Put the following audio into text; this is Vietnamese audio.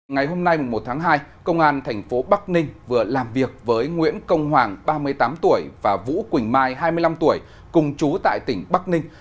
ngày hôm nay một tháng hai công an thành phố bắc ninh vừa làm việc với nguyễn công hoàng ba mươi tám tuổi và vũ quỳnh mai hai mươi năm tuổi cùng chú tại tỉnh bắc ninh